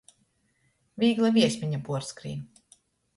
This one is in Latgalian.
Vīgla viesmeņa puorskrīn.